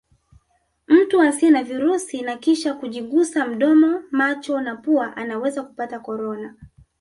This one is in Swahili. Mtu asiye na virusi na kisha kujigusa mdomo macho na pua anaweza kupata Corona